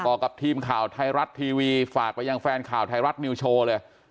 บอกกับทีมข่าวไทยรัฐทีวีฝากไปยังแฟนข่าวไทยรัฐนิวโชว์เลย